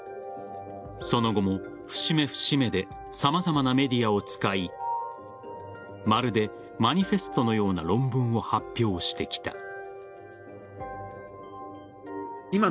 その後も節目節目で様々なメディアを使いまるで、マニフェストのような論文を発表してきた。